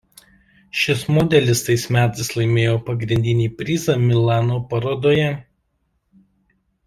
Šis modelis tais metais laimėjo pagrindinį prizą Milano parodoje.